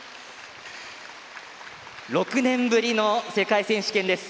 ６年ぶりの世界選手権です。